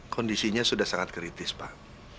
kondisinya sudah sangat kritis pak